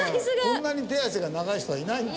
こんなに手足が長い人はいない。